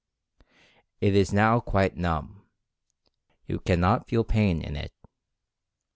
It is now quite numb. You cannot feel pain in it.